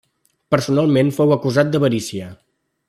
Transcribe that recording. Personalment fou acusat d'avarícia.